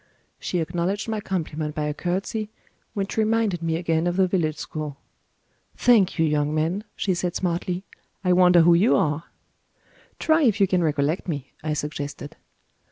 She acknowledged my compliment by a curtsey, which reminded me again of the village school. "Thank you, young man," she said smartly; "I wonder who you are?" "Try if you can recollect me," I suggested.